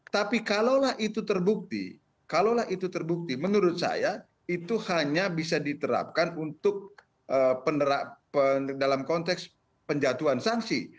tapi kalaulah itu terbukti kalaulah itu terbukti menurut saya itu hanya bisa diterapkan untuk dalam konteks penjatuhan sanksi